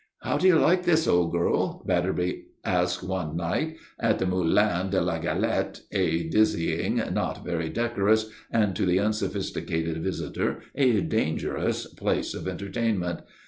"How do you like this, old girl?" Batterby asked one night, at the Moulin de la Galette, a dizzying, not very decorous, and to the unsophisticated visitor a dangerous place of entertainment.